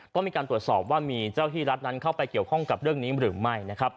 ก็มีการตรวจสอบว่ามีเจ้าที่รัฐนั้นเข้าไปเกี่ยวข้องกับเรื่องนี้หรือไม่นะครับ